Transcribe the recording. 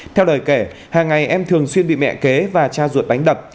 theo lời kể hàng ngày em thường xuyên bị mẹ kế và cha ruột đánh đập